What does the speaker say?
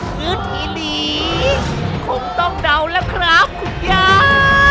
พื้นอีหลีคงต้องเดาแล้วครับคุณย่า